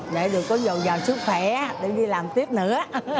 để được có giàu giàu sức khỏe để đi làm tiếp nữa